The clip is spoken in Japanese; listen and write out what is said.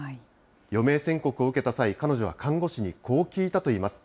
余命宣告を受けた際、彼女は看護師にこう聞いたといいます。